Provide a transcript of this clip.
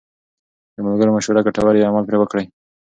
که د ملګرو مشوره ګټوره وي، عمل پرې وکړئ.